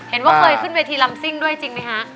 เห็นว่าเคยขึ้นเวทีลำซิ่งด้วยจริงไหมฮะ